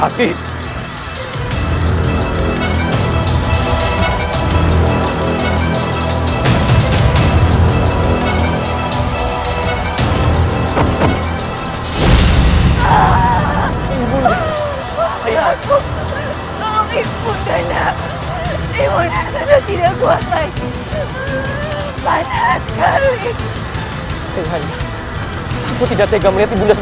aku menolong ibu anda